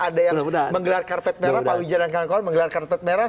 ada yang menggelar karpet merah pak wijalan kangkol menggelar karpet merah